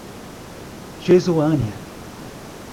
Jesuânia